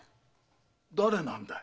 誰なんだい？